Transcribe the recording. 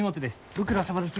ご苦労さまです。